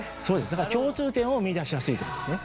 だから共通点を見いだしやすいということですね。